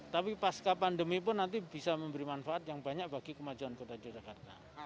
tapi pasca pandemi pun nanti bisa memberi manfaat yang banyak bagi kemajuan kota yogyakarta